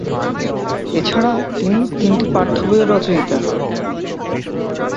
এছাড়া তিনি তিনটি পাঠ্য বইয়ের রচয়িতা।